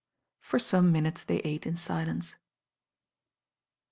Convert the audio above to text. For some liiinutes they ate in silence.